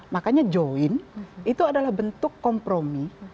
makanya join itu adalah bentuk kompromi